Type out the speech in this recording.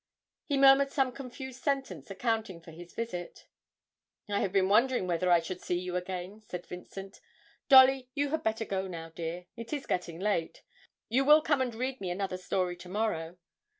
He murmured some confused sentence accounting for his visit. 'I have been wondering whether I should see you again,' said Vincent. 'Dolly, you had better go now, dear, it is getting late you will come and read me another story to morrow?'